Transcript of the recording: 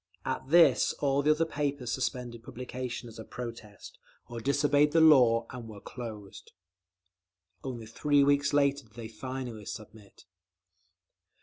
At this all the other papers suspended publication as a protest, or disobeyed the law and were closed…. Only three weeks later did they finally submit.